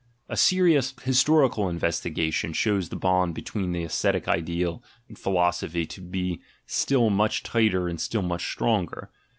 A serious historical investigation shows the bond between the ascetic ideal and philosophy to be still much tighter and still much stronger.